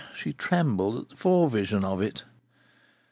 She trembled at the fore vision of it.